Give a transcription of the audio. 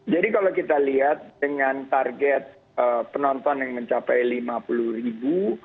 jadi kalau kita lihat dengan target penonton yang mencapai lima puluh ribu